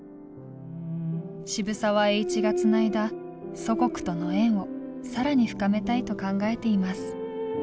渋沢栄一がつないだ祖国との縁を更に深めたいと考えています。